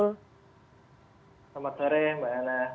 selamat sore mbak nana